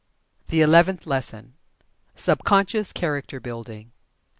THE ELEVENTH LESSON. SUBCONSCIOUS CHARACTER BUILDING.